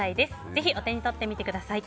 ぜひお手に取ってみてください。